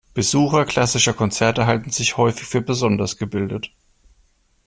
Besucher klassischer Konzerte halten sich häufig für besonders gebildet.